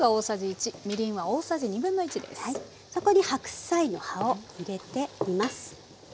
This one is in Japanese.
そこに白菜の葉を入れて煮ます。